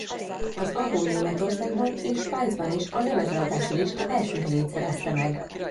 Az album Németországban és Svájcban is a lemezeladási lista első helyét szerezte meg.